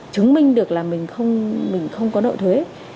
chứng minh được là mình không có nợ thuế